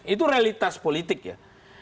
itu realitas politik ya